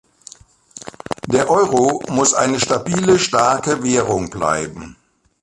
Der Euro muss eine stabile starke Währung bleiben.